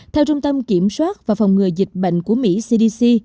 theo trung tâm kiểm soát và phòng ngừa dịch bệnh của mỹ cdc